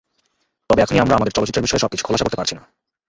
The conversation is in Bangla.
তবে এখনই আমরা আমাদের চলচ্চিত্রের বিষয়ে সবকিছু খোলাসা করতে পারছি না।